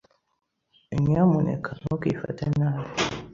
Nyamuneka ntukifate nabi.